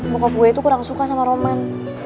muka gue itu kurang suka sama roman